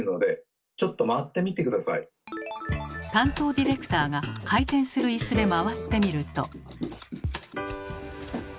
担当ディレクターが回転するイスで回ってみると。